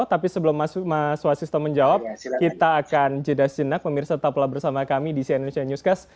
tapi sebelum mas wasisto menjawab kita akan jeda sejenak pemirsa tetaplah bersama kami di cnn indonesia newscast